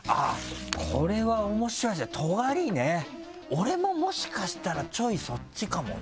俺ももしかしたらちょいそっちかもな。